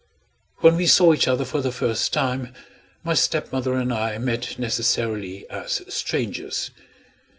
When we saw each other for the first time, my stepmother and I met necessarily as strangers.